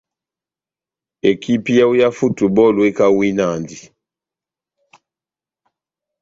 Ekipi yawu yá futubɔlu ekawinandi.